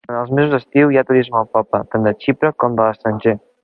Durant els mesos d'estiu hi ha turisme al poble, tant de Xipre com de l'estranger.